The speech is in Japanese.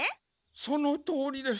そのとおりです。